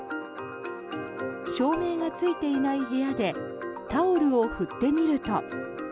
照明がついていない部屋でタオルを振ってみると。